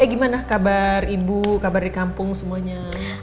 eh gimana kabar ibu kabar di kampung semuanya